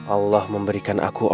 allah memberi aku dengan kebenaran